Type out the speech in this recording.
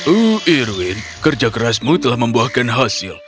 uh irwin kerja kerasmu telah membuahkan hasil